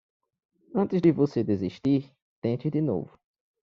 Antes de você desistir, tente de novo